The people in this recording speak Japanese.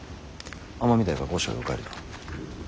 尼御台が御所へお帰りだ。